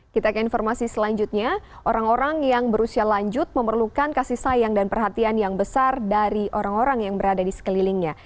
kita ke informasi selanjutnya orang orang yang berusia lanjut memerlukan kasih sayang dan perhatian yang besar dari orang orang yang berada di sekelilingnya